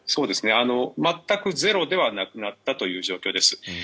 全くゼロではなくなったという状況です。